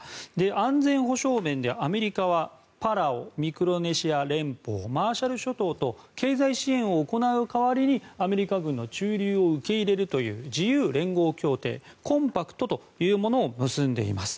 安全保障面でアメリカはパラオ、ミクロネシア連邦マーシャル諸島と経済支援を行う代わりにアメリカ軍の駐留を受け入れるという自由連合協定コンパクトというものを結んでいます。